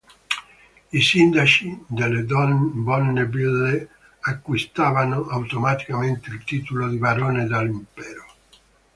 I sindaci delle bonne ville acquistavano automaticamente il titolo di barone dell'Impero.